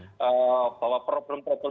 implikasinya adalah penerapan kursa yang salah